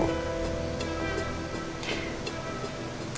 elsa udah sembuh